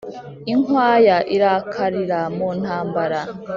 inkwaya irakarira mu ntambara